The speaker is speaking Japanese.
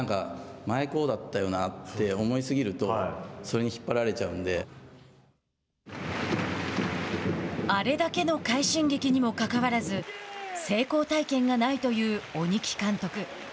前はこうだったよなって思い過ぎると、それに引っ張られちゃうのあれだけの快進撃にもかかわらず成功体験がないという鬼木監督。